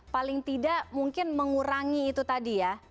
paling tidak mungkin mengurangi itu tadi ya